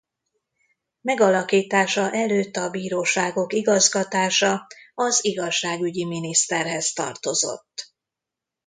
Megalakítása előtt a bíróságok igazgatása az igazságügyi miniszterhez tartozott.